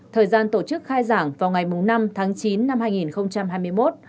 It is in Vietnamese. thời gian tổ chức khai giảng vào ngày năm tháng chín năm hai nghìn hai mươi một